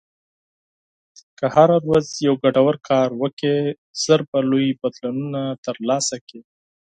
که هره ورځ یو ګټور کار وکړې، ژر به لوی بدلونونه ترلاسه کړې.